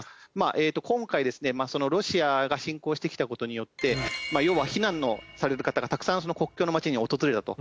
今回ですねロシアが侵攻してきた事によって要は避難をされる方がたくさん国境の街に訪れたと。